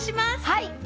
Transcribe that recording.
はい！